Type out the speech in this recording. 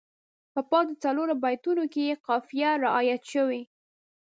په پاتې څلورو بیتونو کې یې قافیه رعایت شوې.